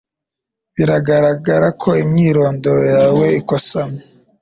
biragaragara ko imyirondoro yawe ikosamye